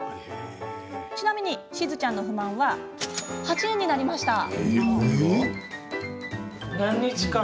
ちなみにしずちゃんの不満は８円になりました。